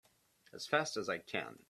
As fast as I can!